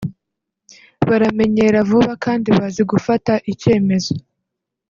baramenyera vuba kandi bazi gufata icyemezo